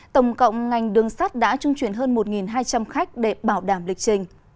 tổng cộng ngành đường sắt đã trung chuyển hơn một hai trăm linh khách để bảo đảm lịch trình